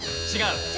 違う。